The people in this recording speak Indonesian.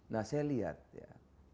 nah saya lihat ya